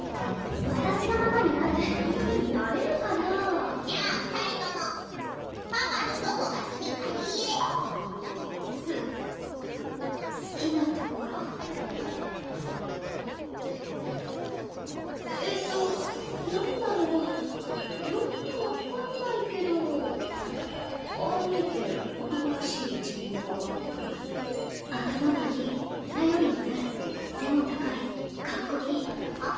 私がママになる三玖になれるかなじゃあ二人ともパパのどこが好きか言えす好きなところえっと何だろよく分かんないけどああ見えて男らしい一面があったり頭がいい頼りになる背も高いカッコいいパパ